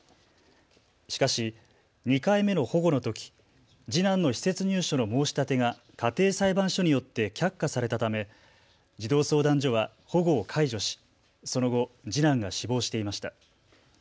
しかし、２回目の保護のとき次男の施設入所の申し立てが家庭裁判所によって却下されたため児童相談所は保護を解除しその後、次男が死亡していました。